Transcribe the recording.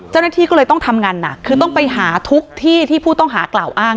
เจ้าหน้าที่ก็เลยต้องทำงานหนักคือต้องไปหาทุกที่ที่ผู้ต้องหากล่าวอ้าง